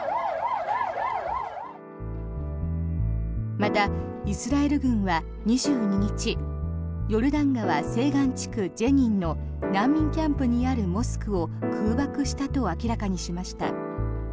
また、イスラエル軍は２２日ヨルダン川西岸地区ジェニンの難民キャンプにあるモスクを空爆したと明らかにしました。